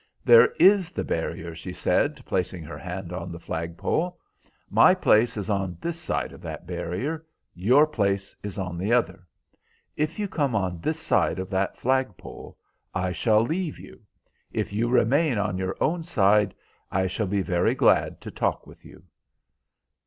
"There is the barrier," she said, placing her hand on the flag pole. "My place is on this side of that barrier; your place is on the other. If you come on this side of that flag pole, I shall leave you. If you remain on your own side, I shall be very glad to talk with you."